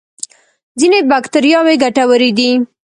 ځینې بکتریاوې ګټورې دي